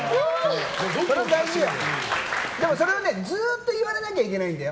それをずっと言われなきゃいけないんだよ。